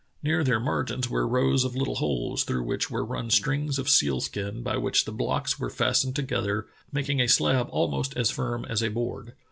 Near their margins w^ere rows of little holes, through which were run strings cf seal skin, by which the blocks were fastened together, mak ing a slab almost as firm as a board.